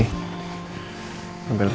aku mau sembah namas